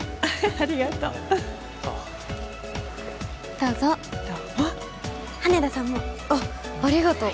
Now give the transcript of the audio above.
ありがとうあっどうぞどうも羽田さんもあっありがとう